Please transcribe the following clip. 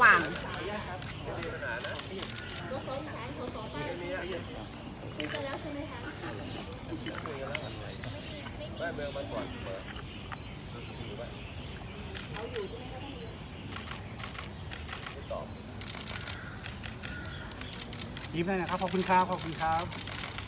ถามเมื่อเคยถามคนอื่นมาแล้วไม่รู้